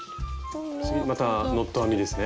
次またノット編みですね。